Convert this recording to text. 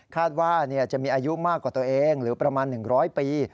ว่าจะมีอายุมากกว่าตัวเองหรือประมาณ๑๐๐ปี